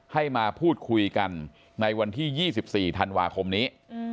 ให้มาพูดคุยกันในวันที่๒๔ธันวาคมนี้